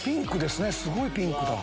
すごいピンクだ。